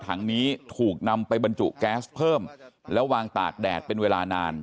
ถังนี้ถูกนำไปบรรจุแก๊สเพิ่มแล้ววางตากแดดเป็นเวลานาน